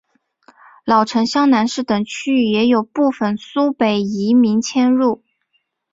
老城厢南市等区域也有部分苏北移民迁入。